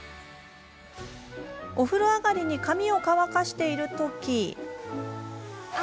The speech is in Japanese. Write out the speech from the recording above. お風呂上がり髪を乾かしているとき。